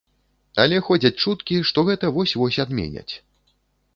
Але ходзяць чуткі, што гэта вось-вось адменяць.